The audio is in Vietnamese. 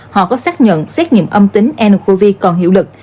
họ có xác nhận xét nghiệm âm tính ncov còn hiệu lực